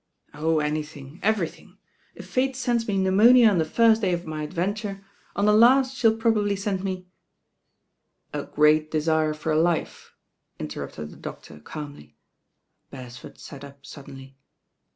"Oh, anything, everydiing^ If fate sends me pneumonia on the first day of my adventure, on the last she'll probably send me " "A great desire for life," interrupted the doctor cahnly. Beresford sat up suddenly.